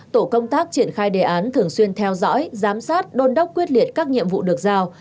tổ công tác triển khai đề án thường xuyên theo dõi giám sát đôn đốc quyết liệt các nhiệm vụ được giao